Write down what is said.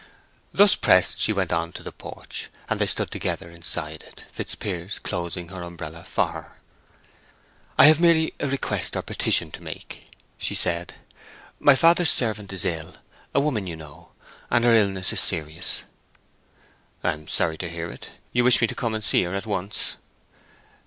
Thus pressed she went on to the porch, and they stood together inside it, Fitzpiers closing her umbrella for her. "I have merely a request or petition to make," she said. "My father's servant is ill—a woman you know—and her illness is serious." "I am sorry to hear it. You wish me to come and see her at once?"